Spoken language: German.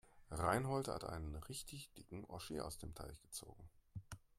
Reinhold hat einen richtig dicken Oschi aus dem Teich gezogen.